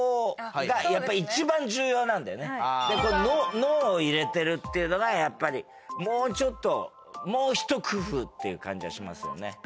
でこの「の」を入れてるっていうのがやっぱりもうちょっともうひと工夫っていう感じがしますよね。